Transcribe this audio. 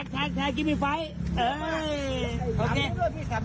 เทคทักกิมพาร์ท